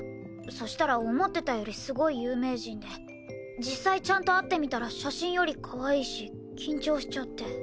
そうしたら思ってたよりすごい有名人で実際ちゃんと会ってみたら写真よりかわいいし緊張しちゃって。